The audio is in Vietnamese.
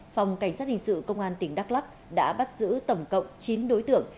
phòng cảnh sát hình sự công an tỉnh đắk lắc đã bắt giữ tổng cộng chín đối tượng